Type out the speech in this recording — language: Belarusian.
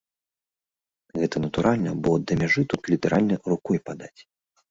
Гэта натуральна, бо да мяжы тут літаральна рукой падаць.